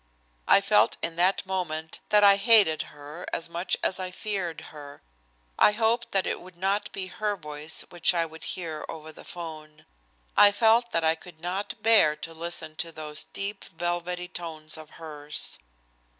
I felt in that moment that I hated her as much as I feared her. I hoped that it would not be her voice which I would hear over the 'phone. I felt that I could not bear to listen to those deep, velvety tones of hers.